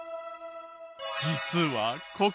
実はここ。